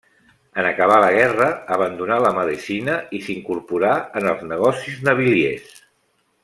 En acabar la guerra abandonà la medicina i s'incorporà en els negocis naviliers.